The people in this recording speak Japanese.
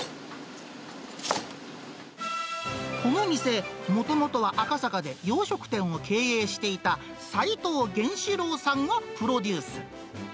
この店、もともとは赤坂で洋食店を経営していた、さいとうげんしろうさんがプロデュース。